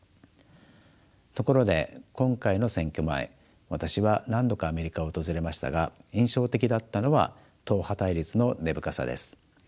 ところで今回の選挙前私は何度かアメリカを訪れましたが印象的だったのは党派対立の根深さです。